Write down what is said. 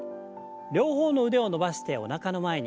両方の腕を伸ばしておなかの前に。